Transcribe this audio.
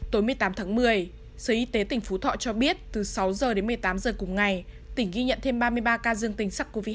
tối một mươi tám tháng một mươi sở y tế tỉnh phú thọ cho biết từ sáu giờ đến một mươi tám giờ cùng ngày tỉnh ghi nhận thêm ba mươi ba ca dương tình sắc covid hai